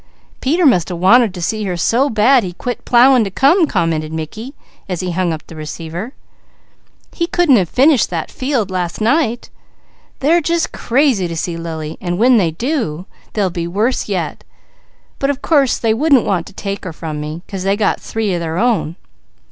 "Peter must have wanted to see her so bad he quit plowing to come," commented Mickey, as he hung up the receiver. "He couldn't have finished that field last night! They're just crazy to see Lily, and when they do, they'll be worse yet; but of course they wouldn't want to take her from me, 'cause they got three of their own.